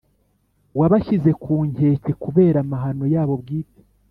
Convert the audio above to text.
wabashyize ku nkeke kubera amahano yabo bwite.